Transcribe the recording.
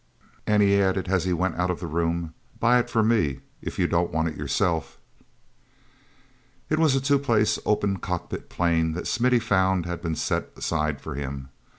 And he added as he went out of the room: "Buy it for me if you don't want it yourself." t was a two place, open cockpit plane that Smithy found had been set aside for him.